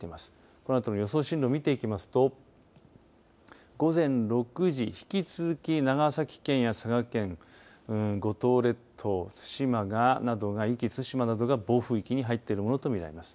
このあとの予想進路、見ていきますと午前６時引き続き長崎県や佐賀県五島列島、対馬などが壱岐・対馬などが暴風域に入っているものと見られます。